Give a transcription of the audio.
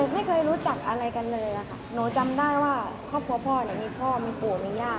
ไม่เคยรู้จักอะไรกันเลยค่ะหนูจำได้ว่าครอบครัวพ่อเนี่ยมีพ่อมีปู่มีย่า